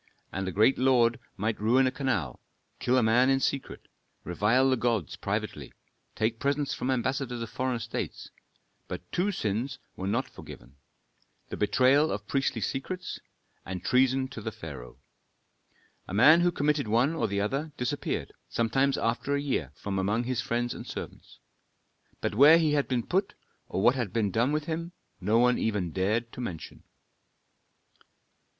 A great lord might ruin a canal, kill a man in secret, revile the gods privately, take presents from ambassadors of foreign states, but two sins were not forgiven, the betrayal of priestly secrets, and treason to the pharaoh. A man who committed one or the other disappeared, sometimes after a year, from among his friends and servants. But where he had been put or what had been done with him, no one even dared to mention.